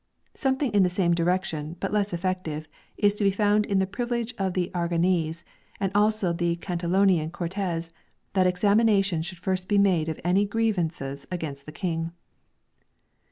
Something in the same direction, but less effective, is to be found in the privilege of the Aragonese and also the Catalonian Cortes that examination should first be made of any grievances against the King.